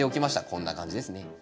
こんな感じですね。